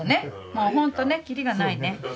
もうほんとねキリがないね。